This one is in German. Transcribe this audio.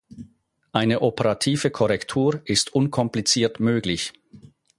Eine operative Korrektur ist unkompliziert möglich.